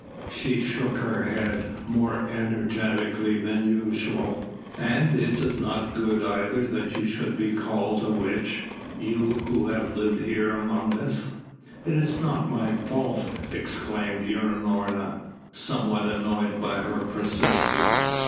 She shook her head more energetically than usual. "And it is not good either that you should be called a witch, you who have lived here amongst us." "It is not my fault!" exclaimed Unorna, somewhat annoyed by her persistence.